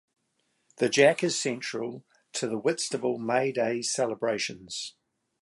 The Jack is central to the Whitstable May Day celebrations.